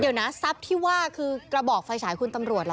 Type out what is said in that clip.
เดี๋ยวนะทรัพย์ที่ว่าคือกระบอกไฟฉายคุณตำรวจเหรอ